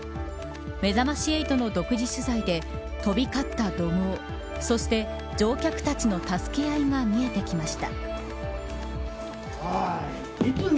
めざまし８の独自取材で飛び交った怒号そして、乗客たちの助け合いが見えてきました。